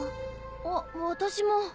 あっ私も。